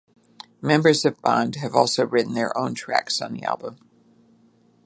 Members of Bond have also written their own tracks on the album.